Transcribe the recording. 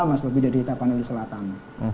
mas bobby dari itapanuli selatan